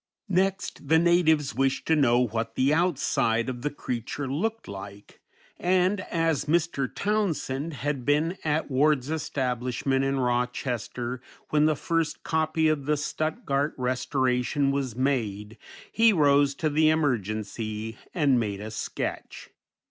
Next the natives wished to know what the outside of the creature looked like, and as Mr. Townsend had been at Ward's establishment in Rochester when the first copy of the Stuttgart restoration was made, he rose to the emergency, and made a sketch.